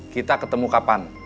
kita ketemu kapan